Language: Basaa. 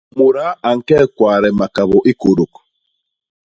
Mudaa a ñke kwade makabô i kôdôk.